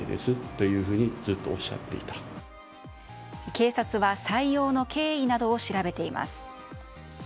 警察は採用の経緯などを調べています。